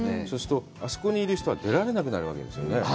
そうすると、あそこにいる人は出られなくなるわけですよね？